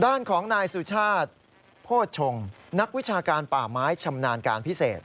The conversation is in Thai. ด้านของนายสุชาติโภชงนักวิชาการป่าไม้ชำนาญการพิเศษ